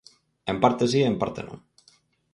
En parte si e en parte non.